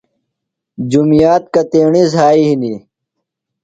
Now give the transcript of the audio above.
جُمیات کتیݨیۡ زھائی ہِنیۡ؟